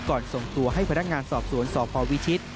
ส่งตัวให้พนักงานสอบสวนสพวิชิต